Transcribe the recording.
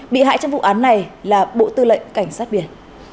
bị hại trong vụ án này là bộ tư lệnh cảnh sát biển